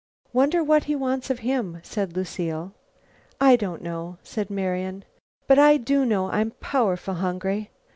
"Wonder what he wants of him?" said Lucile. "I don't know," said Marian. "But I do know I'm powerful hungry.